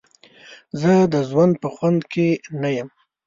زه د ژوند په خوند کې نه یم.